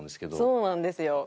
そうなんですよ。